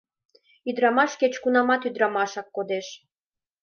Ӱдрамаш кеч-кунамат ӱдрамашак кодеш.